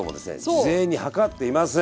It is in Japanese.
事前に量っていません。